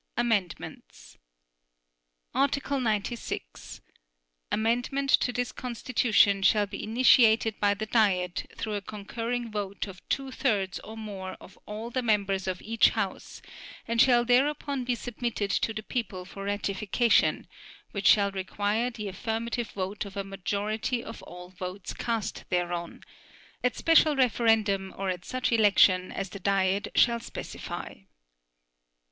AMENDMENTS Article 96. Amendment to this Constitution shall be initiated by the Diet, through a concurring vote of two thirds or more of all the members of each House and shall thereupon be submitted to the people for ratification which shall require the affirmative vote of a majority of all votes cast thereon, at special referendum or at such election as the Diet shall specify.